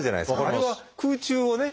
あれは空中をね